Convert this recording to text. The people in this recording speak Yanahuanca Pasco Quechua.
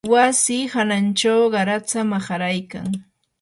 wasi hanachaw qaratsa maharaykan